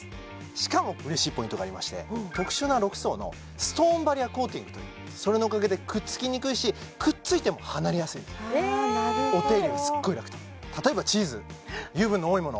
しかも嬉しいポイントがありまして特殊な６層のストーンバリアコーティングというそれのおかげでくっつきにくいしくっついても離れやすいなるほどお手入れがすっごい楽と例えばチーズ油分の多いもの